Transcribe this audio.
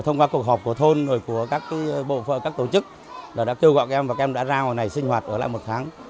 thông qua cuộc họp của thôn của các tổ chức đã kêu gọi các em và các em đã ra hồi này sinh hoạt ở lại một tháng